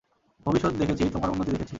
ভবিষ্যৎ দেখেছি, তোমার উন্নতি দেখেছি।